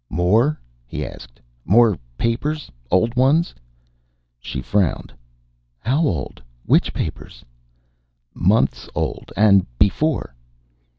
"More?" he asked. "More papers. Old ones?" She frowned. "How old? Which papers?" "Months old. And before."